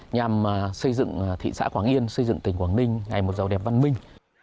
nhằm xây dựng thị xã quảng yên xây dựng tỉnh quảng ninh ngày một giàu đẹp văn minh